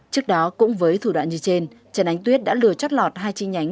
trước đó cũng với thủ đoạn như trên trần ánh tuyết đã lừa chót lọt hai chi nhánh